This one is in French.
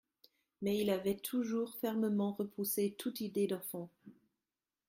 Mais il avait toujours fermement repoussé toute idée d’enfant.